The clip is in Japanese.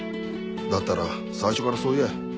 だったら最初からそう言え。